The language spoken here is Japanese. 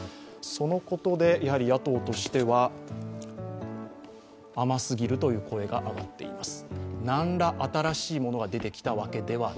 そのことで野党としては甘すぎるという声が上がっています。